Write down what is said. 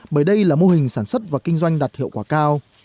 bởi đây là mô hình sản xuất và kinh doanh đạt hiệu quả cao